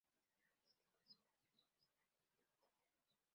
Existen diferentes tipos de espacios o escenarios interpretativos.